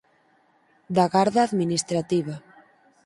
Da garda administrativa